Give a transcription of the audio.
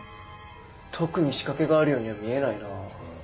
特に仕掛けがあるようには見えないなぁ。